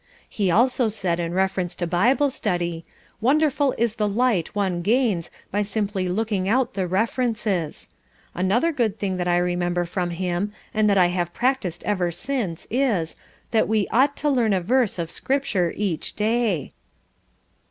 He also said in reference to Bible study, 'Wonderful is the light one gains by simply looking out the references.' Another good thing that I remember from him, and that I have practised ever since is, that we 'ought to learn a verse of Scripture each day.'"